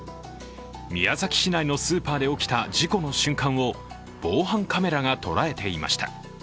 宮崎市内のスーパーで起きた事故の瞬間を防犯カメラが捉えていました。